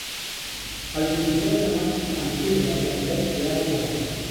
El vint-i-tres de maig en Quirze i en Pep iran al teatre.